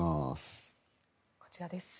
こちらです。